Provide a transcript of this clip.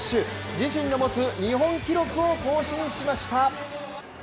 自身の持つ日本記録を更新しました。